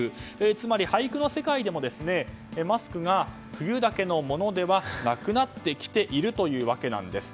つまり、俳句の世界でもマスクが冬だけのものだけはなくなってきているというわけなんです。